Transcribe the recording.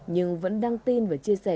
nhưng vẫn đăng tin và chia sẻ